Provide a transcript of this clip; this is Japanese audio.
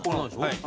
はい。